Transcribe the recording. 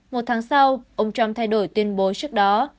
một tháng sau ông trump thay đổi tuyên bố trước đó